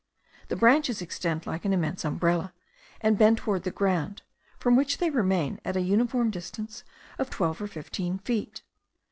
The branches extend like an immense umbrella, and bend toward the ground, from which they remain at a uniform distance of twelve or fifteen feet.